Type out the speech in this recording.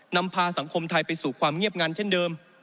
นำพาสังคมไทยไปสู่ความเงียบงันเช่นเดิม